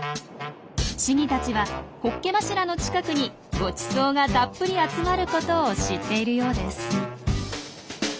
シギたちはホッケ柱の近くにごちそうがたっぷり集まることを知っているようです。